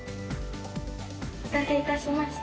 お待たせいたしました。